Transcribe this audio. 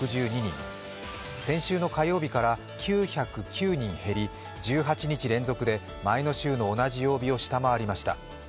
先週の火曜日から９０９人減り１８日連続で前の週の同じ曜日を下回りました。